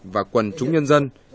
và quần chúng nhân dân